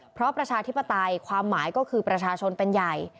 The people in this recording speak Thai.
เพราะประชาธิปไตยความหมายก็คือประชาชนเป็นใหญ่